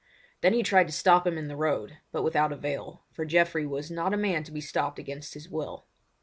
Then he tried to stop him in the road, but without avail, for Geoffrey was not a man to be stopped against his will.